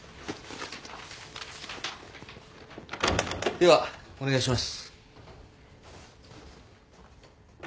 ではお願いします。